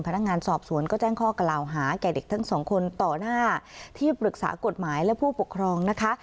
พนักงานสอบสวนก็แจ้งข้อกล่าวหาแก่เด็กทั้งสองคนต่อหน้าที่ปรึกษากฎหมายและผู้ปกครองนะคะ